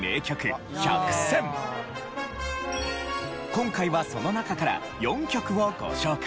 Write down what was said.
今回はその中から４曲をご紹介。